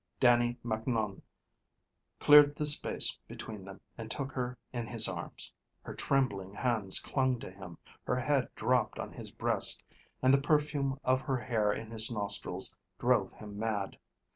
Dannie Macnoun cleared the space between them and took her in his arms. Her trembling hands clung to him, her head dropped on his breast, and the perfume of her hair in his nostrils drove him mad.